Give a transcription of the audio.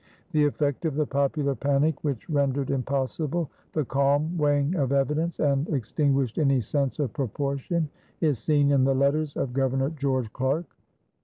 The effect of the popular panic, which rendered impossible the calm weighing of evidence and extinguished any sense of proportion, is seen in the letters of Governor George Clarke.